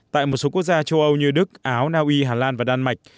tại một số quốc gia châu âu như đức áo naui hà lan và đan mạch